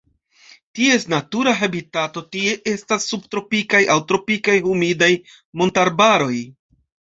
Ties natura habitato tie estas subtropikaj aŭ tropikaj humidaj montararbaroj.